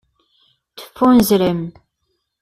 Teffunzrem.